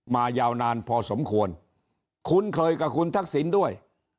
ยาวนานพอสมควรคุ้นเคยกับคุณทักษิณด้วย